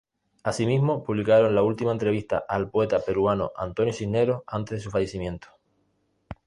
Asimismo, publicaron la última entrevista al poeta peruano Antonio Cisneros antes de su fallecimiento.